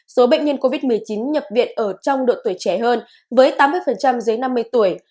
số bệnh nhân covid một mươi chín nhập viện ở trong độ tuổi trẻ hơn với tám mươi dưới năm mươi tuổi